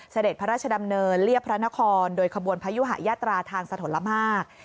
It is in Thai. เสด็จพระราชดำเนินเรียบพระนครโดยขบวนพยุหายาตราทางสถลมาก